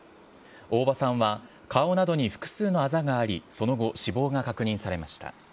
大場さんは顔などに複数のあざがあり、その後、死亡が確認されました。